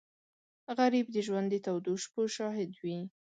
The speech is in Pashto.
غریب د ژوند د تودو شپو شاهد وي